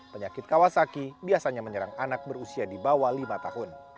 penyakit kawasaki biasanya menyerang anak berusia di bawah lima tahun